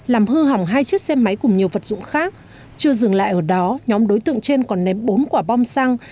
làm hư hỏng hai chiếc xe máy cùng nhiều vật dụng khác chưa dừng lại ở đó nhóm đối tượng trên còn ném bốn quả bom xăng